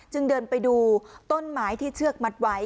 เดินไปดูต้นไม้ที่เชือกมัดไว้